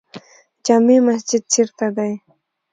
جامع مسجد چیرته دی؟